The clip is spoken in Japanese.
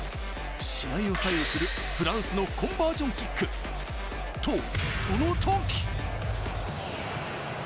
試合を左右するフランスのコンバージョンキック、と、そのとき。